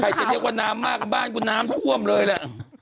จะเรียกว่าน้ำมากบ้านกูน้ำท่วมเลยแหละ